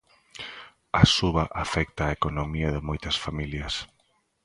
A suba afecta a economía de moitas familias.